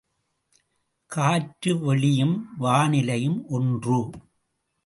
காற்று வெளியும் வானிலையும் ஒன்று.